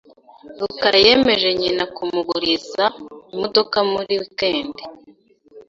rukarayemeje nyina kumuguriza imodoka muri wikendi.